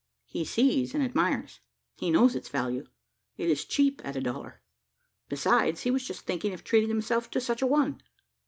He sees and admires. He knows its value. It is cheap at a dollar; besides, he was just thinking of treating himself to such a one.